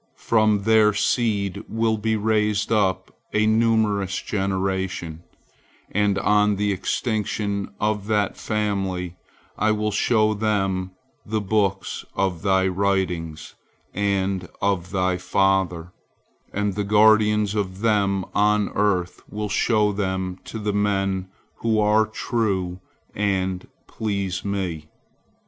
From their seed will be raised up a numerous generation, and on the extinction of that family, I will show them the books of thy writings and of thy father, and the guardians of them on earth will show them to the men who are true and please Me.